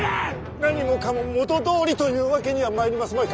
何もかも元どおりというわけにはまいりますまいか。